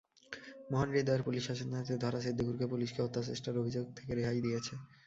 মহান হৃদয়ের পুলিশ হাতেনাতে ধরা সিদ্দিকুরকে পুলিশকে হত্যাচেষ্টার অভিযোগ থেকে রেহাই দিয়েছে।